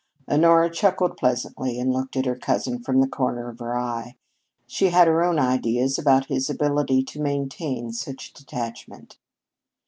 Honora chuckled pleasantly and looked at her cousin from the corner of her eye. She had her own ideas about his ability to maintain such detachment.